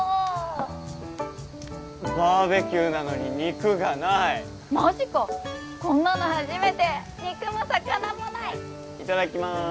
バーベキューなのに肉がないマジかこんなの初めて肉も魚もないいただきまーす